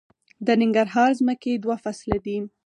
د ننګرهار ځمکې دوه فصله دي